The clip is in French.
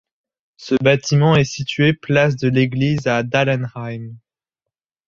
Ce bâtiment est situé place de l'Église à Dahlenheim.